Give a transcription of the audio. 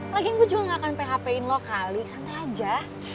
lagian gue juga gak akan php in lo kali santai aja